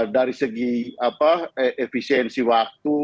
dari segi efisiensi waktu